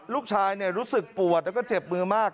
รู้สึกปวดแล้วก็เจ็บมือมาก